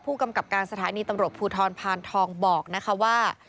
ผู้กำกับการสถานีตำรวจภูทรพานทองบอกนะคะว่า